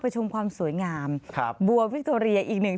ชมความสวยงามบัววิคโตเรียอีกหนึ่ง